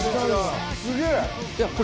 すげえ！